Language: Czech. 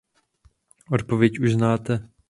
Odpověď už znáte.